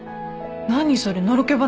何それのろけ話？